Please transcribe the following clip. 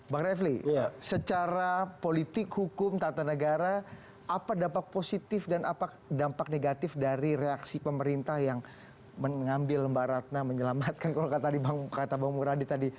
bang refli secara politik hukum tata negara apa dampak positif dan apa dampak negatif dari reaksi pemerintah yang mengambil mbak ratna menyelamatkan kalau kata bang muradi tadi